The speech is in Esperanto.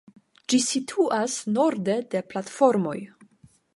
Ĝi situas norde de la platformoj.